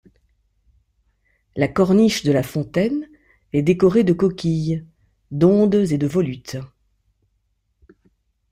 La corniche de la fontaine est décorée de coquilles, d'ondes et de volutes.